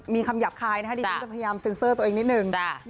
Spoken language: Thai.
มีคำหยาบคายนะคะดิฉันจะพยายามเซ็นเซอร์ตัวเองนิดนึง